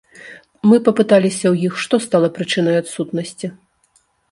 Мы папыталіся ў іх, што стала прычынай адсутнасці.